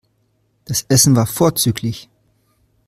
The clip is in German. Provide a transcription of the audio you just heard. Das Essen war vorzüglich.